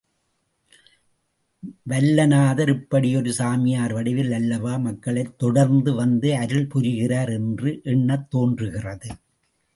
வல்லநாதர் இப்படி ஒரு சாமியார் வடிவில் அல்லவா மக்களைத் தொடர்ந்து வந்து அருள் புரிகிறார் என்று எண்ணத் தோன்றுகிறது.